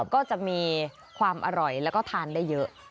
ก็จะมีความอร่อยแล้วก็ทานได้เยอะ